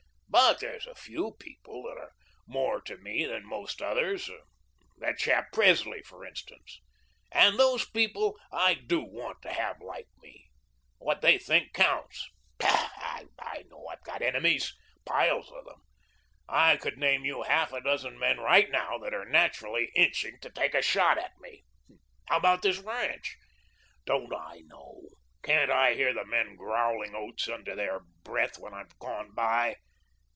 But there's a few people that are more to me than most others that chap Presley, for instance and those people I DO want to have like me. What they think counts. Pshaw! I know I've got enemies; piles of them. I could name you half a dozen men right now that are naturally itching to take a shot at me. How about this ranch? Don't I know, can't I hear the men growling oaths under their breath after I've gone by?